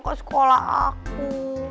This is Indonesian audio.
ke sekolah aku